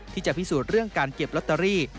ที่จะพิสูจน์เรื่องการเก็บลอตเตอรี่